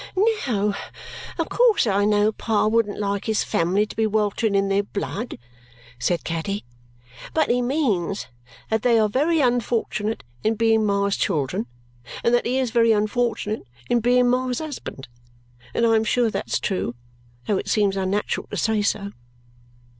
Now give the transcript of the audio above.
"No, of course I know Pa wouldn't like his family to be weltering in their blood," said Caddy, "but he means that they are very unfortunate in being Ma's children and that he is very unfortunate in being Ma's husband; and I am sure that's true, though it seems unnatural to say so."